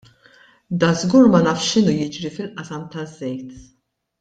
Dażgur ma nafx x'inhu jiġri fil-qasam taż-żejt!